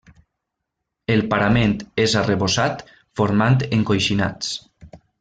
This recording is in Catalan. El parament és arrebossat, formant encoixinats.